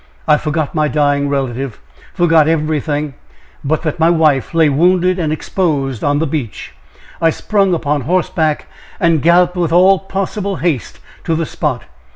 I forgot my dying relative forgot everything, but that my wife lay wounded and exposed on the beach. I sprung upon horseback, and galloped with all possible haste to the spot.